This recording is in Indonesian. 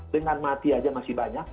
dengan mati aja masih banyak